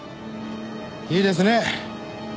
いいですね？